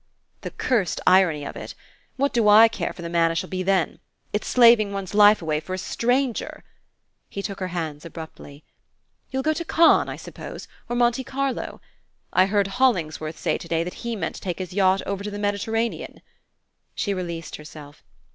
"The cursed irony of it! What do I care for the man I shall be then? It's slaving one's life away for a stranger!" He took her hands abruptly. "You'll go to Cannes, I suppose, or Monte Carlo? I heard Hollingsworth say to day that he meant to take his yacht over to the Mediterranean " She released herself.